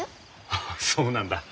ああそうなんだ。